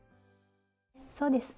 そうです。